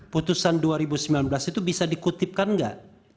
putusan dua ribu sembilan belas itu bisa dikutipkan nggak